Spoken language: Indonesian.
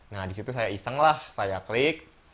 nah disitu saya iseng lah saya klik